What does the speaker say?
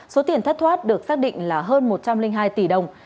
số tiền thất thoát được xác định là hơn một trăm linh hai tỷ đồng